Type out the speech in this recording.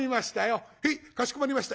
「へいかしこまりました。